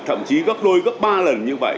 thậm chí gấp hai gấp ba lần như vậy